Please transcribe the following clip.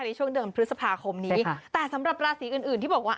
ในช่วงเดือนพฤษภาคมนี้แต่สำหรับราศีอื่นอื่นที่บอกว่า